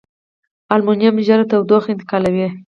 المونیم ژر تودوخه انتقالوي.